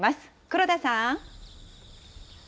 黒田さん。